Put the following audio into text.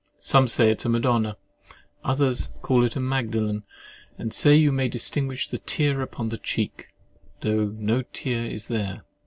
Some say it is a Madonna; others call it a Magdalen, and say you may distinguish the tear upon the cheek, though no tear is there.